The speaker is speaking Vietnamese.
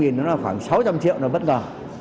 hai mươi năm nó là khoảng sáu trăm linh triệu là bất ngờ